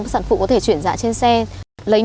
xong chén rồi